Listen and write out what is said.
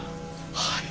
はい。